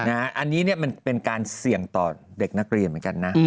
อันนี้มันเป็นการเสี่ยงต่อเด็กนักเรียนเหมือนกันนะ